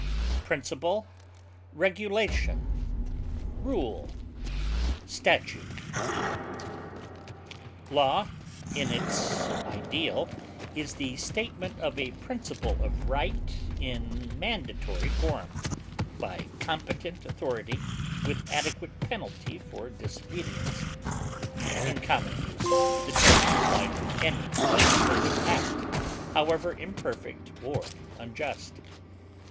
decree, jurisprudence, polity, Law, in its ideal, is the statement of a principle of right in mandatory form, by competent authority, with adequate penalty for disobedience; in common use, the term is applied to any legislative act, however imperfect or unjust.